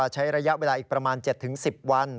ใช้ระยะเวลาอีกประมาณ๗๑๐วัน